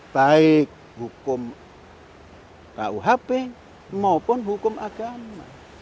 baik hukum kuhp maupun hukum agama